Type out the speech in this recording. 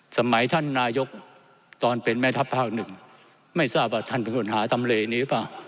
สมัยท่านนายกตอนเป็นแม่ทัพภาคหนึ่งไม่ทราบว่าท่านเป็นคนหาทำเลนี้หรือเปล่า